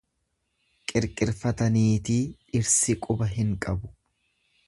Qirqirfata niitii dhirsi quba hin qabu.